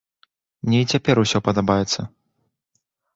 Мне і цяпер усё падабаецца.